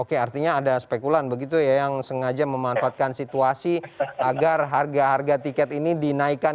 oke artinya ada spekulan begitu ya yang sengaja memanfaatkan situasi agar harga harga tiket ini dinaikkan